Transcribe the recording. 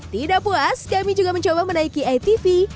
tidak puas kami juga mencoba menaiki itv